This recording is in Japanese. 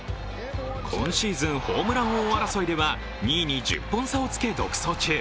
今シーズン、ホームラン王争いでは、２位に１０本差をつけ独走中。